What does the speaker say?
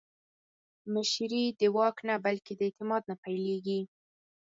مشري د واک نه، بلکې د اعتماد نه پیلېږي